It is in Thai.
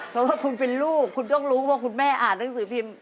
เพราะว่าคุณเป็นลูกคุณต้องรู้ว่าคุณแม่อ่านหนังสือพิมพ์